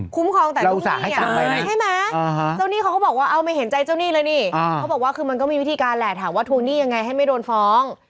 ครองแต่ลูกหนี้ใช่ไหมเจ้าหนี้เขาก็บอกว่าเอาไม่เห็นใจเจ้าหนี้เลยนี่เขาบอกว่าคือมันก็มีวิธีการแหละถามว่าทวงหนี้ยังไงให้ไม่โดนฟ้อง